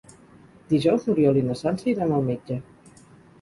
Dijous n'Oriol i na Sança iran al metge.